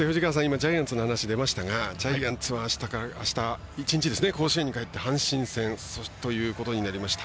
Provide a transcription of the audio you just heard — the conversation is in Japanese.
ジャイアンツの話が出ましたがジャイアンツはあした、１日甲子園に行って阪神戦ということになりました。